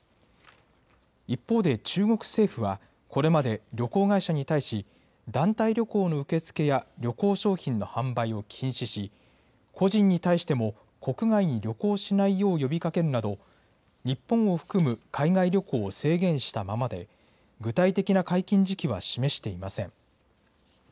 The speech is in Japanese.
一方で、中国政府は、これまで旅行会社に対し、団体旅行の受け付けや旅行商品の販売を禁止し、個人に対しても国外に旅行しないよう呼びかけるなど、日本を含む海外旅行を制限したままで、具体的な解禁時期は示していません。